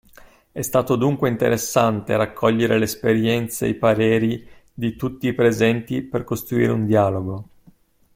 E' stato dunque interessante raccogliere le esperienze e i pareri di tutti i presenti per costruire un dialogo.